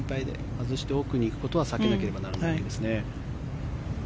外して奥に行くことは避けなければならないわけですね。